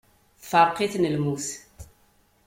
Tefreq-iten lmut.